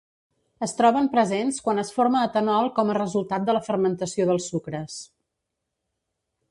Es troben presents quan es forma etanol com a resultat de la fermentació dels sucres.